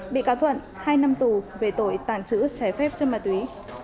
bị cáo thuận hai năm tù về tội tàn trữ trái phép cho ma túy